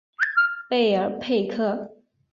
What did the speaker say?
贝尔佩克。